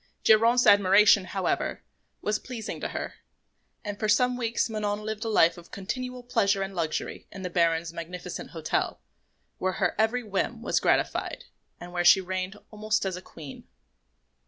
Geronte's admiration, however, was pleasing to her; and for some weeks Manon lived a life of continual pleasure and luxury in the Baron's magnificent hotel, where her every whim was gratified and where she reigned almost as a queen.